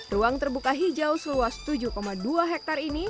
ruang terbuka hijau seluas tujuh dua hektare ini